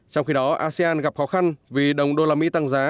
trong khi đó asean gặp khó khăn vì đồng đô la mỹ tăng giá